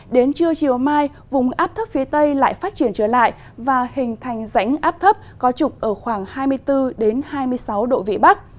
đến trưa chiều mai vùng áp thấp phía tây lại phát triển trở lại và hình thành rãnh áp thấp có trục ở khoảng hai mươi bốn hai mươi sáu độ vị bắc